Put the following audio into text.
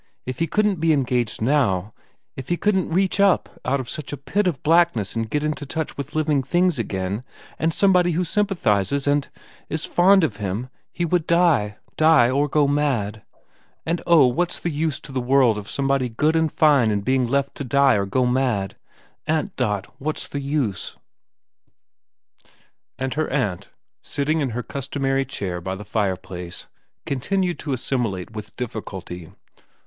If he couldn't be engaged now, if he couldn't reach up out of such a pit of blackness and get into touch with living things again and somebody who sympathises and is fond of him, he would die, die or go mad ; and oh, what's the use to the world of somebody good and fine being left to die or go mad ? Aunt Dot, what's the use ?' And her aunt, sitting in her customary chair by the fireplace, continued to assimilate with difficulty.